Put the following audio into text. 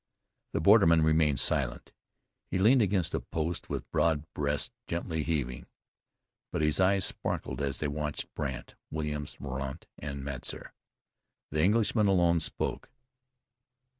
The borderman remained silent. He leaned against a post, with broad breast gently heaving, but his eyes sparkled as they watched Brandt, Williams, Mordaunt and Metzar. The Englishman alone spoke.